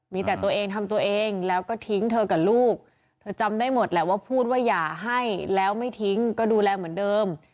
มีแต่ตัวเองทำตัวเองแล้วก็ทิ้งเธอกับลูกเธอจำได้หมดแหละว่าพูดว่าอย่าให้แล้วไม่ทิ้งก็ดูแลเหมือนเดิม